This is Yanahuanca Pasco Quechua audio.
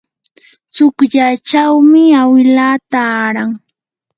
tsukllachawmi awilaa taaran.